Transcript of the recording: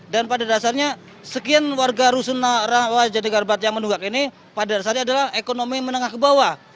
dan pada dasarnya sekian warga rusun yang menuhak ini pada dasarnya adalah ekonomi menengah ke bawah